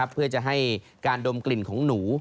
เพื่อจะให้การดมกลิ่นของหนู